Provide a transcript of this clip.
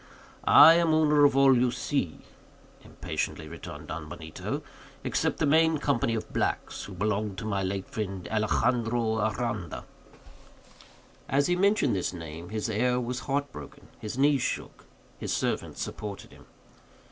"I am owner of all you see," impatiently returned Don Benito, "except the main company of blacks, who belonged to my late friend, Alexandro Aranda." As he mentioned this name, his air was heart broken; his knees shook; his servant supported him.